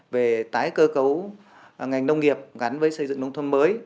về tái cơ cấu ngành nông nghiệp gắn với xây dựng nông thôn mới